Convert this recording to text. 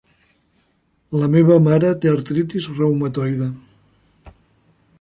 LA meva mare té artritis reumatoide.